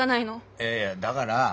いやいやだがら受から